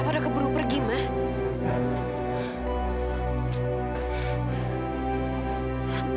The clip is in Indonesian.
bapak udah keburu pergi mak